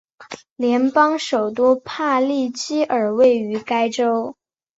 联邦首都帕利基尔位于该州。